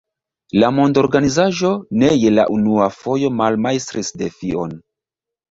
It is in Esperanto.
La mondorganizaĵo ne je la unua fojo malmajstris defion.